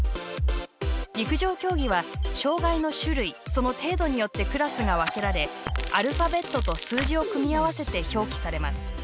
陸上競技は、障がいの種類その程度によってクラスが分けられアルファベットと数字を組み合わせて表記されます。